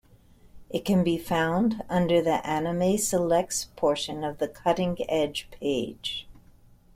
It can be found under the Anime Selects portion of The Cutting Edge page.